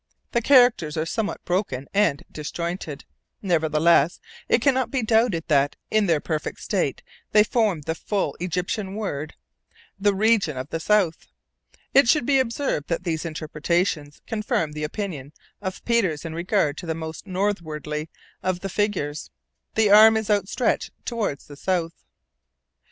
The characters are somewhat broken and disjointed; nevertheless, it can not be doubted that, in their perfect state, they formed the full Egyptian word, "The region of the south." It should be observed that these interpretations confirm the opinion of Peters in regard to the "most northwardly" of the figures. The arm is outstretched toward the south.